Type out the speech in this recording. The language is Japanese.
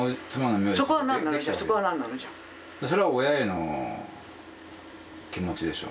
それは親への気持ちでしょ。